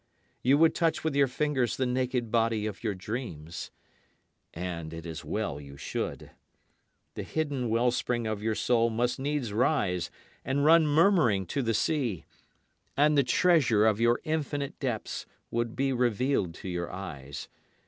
You would touch with your fingers the naked body of your dreams. And it is well you should. The hidden well spring of your soul must needs rise and run murmuring to the sea; And the treasure of your infinite depths would be revealed to your eyes.